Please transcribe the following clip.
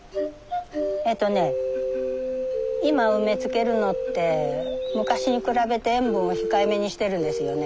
えっとね今梅漬けるのって昔に比べて塩分を控えめにしてるんですよね。